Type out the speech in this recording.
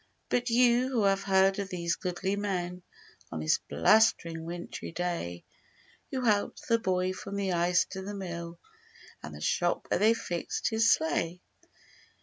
But you who have heard of these goodly men On this blustering wintry day Who helped the boy from the ice to the mill And the shop where they fixed his sleigh.